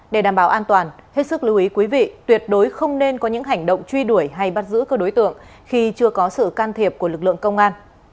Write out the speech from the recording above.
để đảm bảo an toàn hết sức lưu ý quý vị tuyệt đối không nên có những hành động truy đuổi hay bắt giữ cơ đối tượng khi chưa có sự can thiệp của lực lượng công an